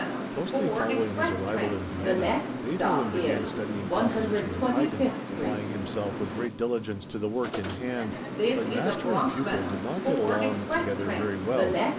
Closely following his arrival in Vienna, Beethoven began studying composition with Haydn, applying himself with great diligence to the work in hand; but master and pupil did not get along together very well.